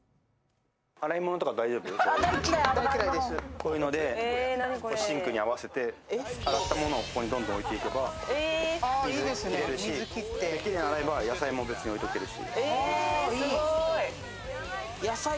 こういうのでシンクに合わせて洗ったものをここにどんどん置いていけばいいし、きれいに洗えば野菜もここに置いとけるし。